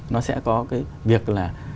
nó sẽ có cái việc là